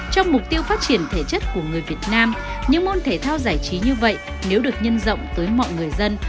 trong mục tiêu phát triển thể chất của người việt nam những môn thể thao giải trí như vậy nếu được nhân rộng tới mọi người dân